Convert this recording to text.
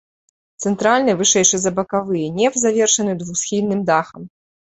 Цэнтральны, вышэйшы за бакавыя, неф завершаны двухсхільным дахам.